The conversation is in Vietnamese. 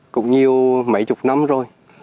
cũng nhiều mấy chục năm rồi